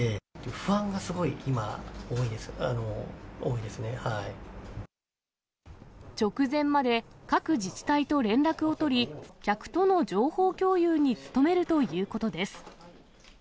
不安がすごい今、直前まで、各自治体と連絡を取り、客との情報共有に努めるということです。